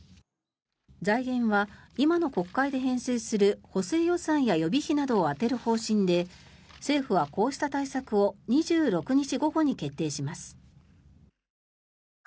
財源は今の国会で編成する補正予算や予備費などを充てる方針で政府はこうした対策を２６日午後に決定します。